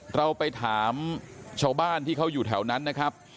เราไปถามชาวบ้านที่เขาอยู่แถวนั้นนะครับ